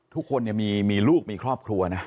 ทุกคนมีลูกมีครอบครัวนะ